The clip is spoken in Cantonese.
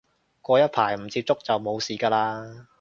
過一排唔接觸就冇事嘅喇